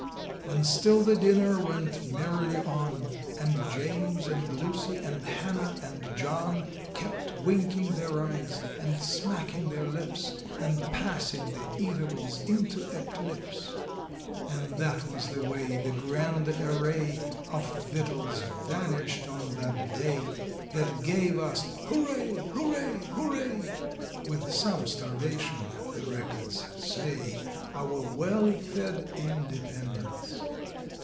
And still the dinner went merrily on, And James and Lucy and Hannah and John Kept winking their eyes and smacking their lips, And passing the eatables into eclipse. And that was the way The grand array Of victuals vanished on that day, That gave us Hurray! Hurray! Hurray! (With some starvation, the records say,) Our well fed Independence!